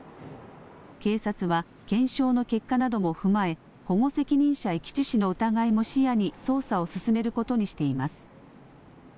警察は、検証の結果なども踏まえ、保護責任者遺棄致死の疑いも視野に捜査を進めることにしています。